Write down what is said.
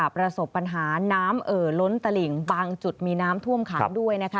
ประสบปัญหาน้ำเหิล้นตลิ่งบางจุดมีน้ำท่วมขัง